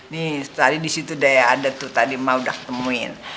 nih tadi disitu daya adat tuh tadi emak udah ketemuin